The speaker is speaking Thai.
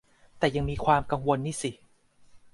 แต่ยังมีความกังวลนี่สิ